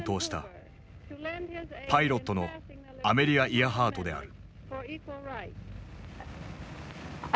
パイロットのアメリア・イアハートである。